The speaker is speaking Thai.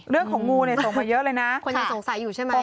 งูเนี่ยส่งมาเยอะเลยนะคนยังสงสัยอยู่ใช่ไหม